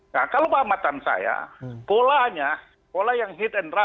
nah kalau pengamatan saya polanya pola yang hit and run